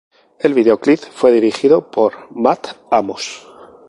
El videoclip fue dirigido por Matt Amos.